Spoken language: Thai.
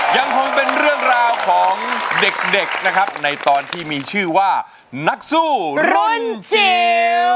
ยังคงเป็นเรื่องราวของเด็กนะครับในตอนที่มีชื่อว่านักสู้รุ่นจิ๋ว